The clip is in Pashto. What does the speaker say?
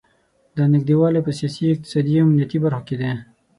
دا نږدې والی په سیاسي، اقتصادي او امنیتي برخو کې دی.